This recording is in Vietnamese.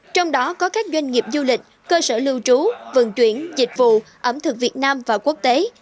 trong đó có các doanh nghiệp du lịch cơ sở lưu trú vận chuyển dịch vụ ẩm thực việt nam và quốc tế